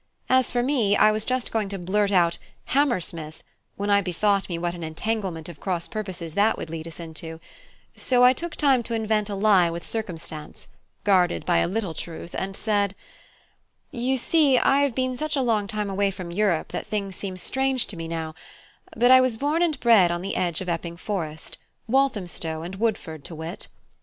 As for me, I was just going to blurt out "Hammersmith," when I bethought me what an entanglement of cross purposes that would lead us into; so I took time to invent a lie with circumstance, guarded by a little truth, and said: "You see, I have been such a long time away from Europe that things seem strange to me now; but I was born and bred on the edge of Epping Forest; Walthamstow and Woodford, to wit."